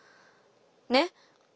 ねっ！